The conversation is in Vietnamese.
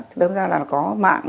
thì đưa ra là có mạng